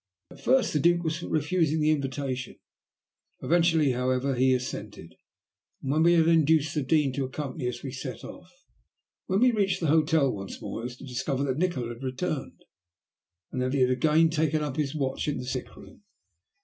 At first the Duke was for refusing the invitation, eventually however he assented, and when we had induced the Dean to accompany us we set off. When we reached the hotel once more it was to discover that Nikola had returned, and that he had again taken up his watch in the sick room.